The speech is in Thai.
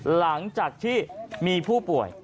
หลังจากที่มีผู้ป่วย